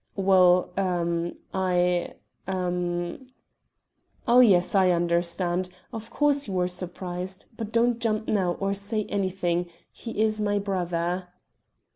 "Well er I er " "Oh, yes, I understand. Of course you were surprised. But don't jump now, or say anything; he is my brother!"